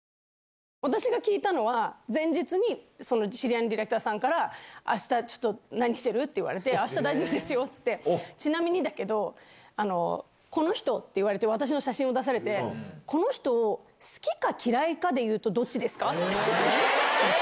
私が聞いたのは、前日に、その知り合いのディレクターさんから、あした、ちょっと何してる？って言われて、あした大丈夫ですよって言って、ちなみにだけど、この人って言われて、私の写真を出されて、この人を好きか嫌いかでいうと、うそ？